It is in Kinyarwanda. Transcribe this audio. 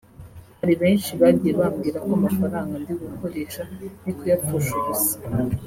Hari benshi bagiye bambwira ko amafaranga ndigukoresha ndikuyapfusha ubusa